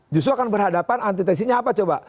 justru akan berhadapan antitesinya apa coba